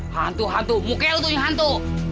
hantu hantu mungkin lo tuh yang hantu